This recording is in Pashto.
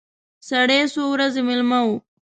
سړی څو ورځې مېلمه وي.